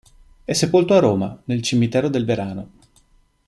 È sepolto a Roma, nel cimitero del Verano.